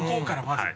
はい。